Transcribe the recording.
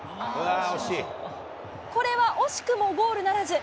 これは惜しくもゴールならず。